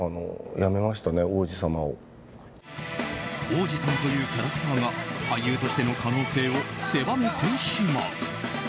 王子様というキャラクターが俳優としての可能性を狭めてしまう。